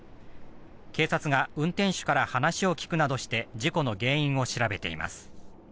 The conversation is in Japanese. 警察が運転手から話を聴くなどして事故の原因を調べています。